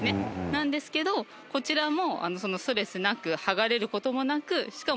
なんですけどこちらも。